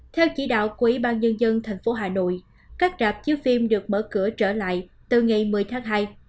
theo chỉ đạo của ủy ban nhân dân tp hà nội các rạp chiếu phim được mở cửa trở lại từ ngày một mươi tháng hai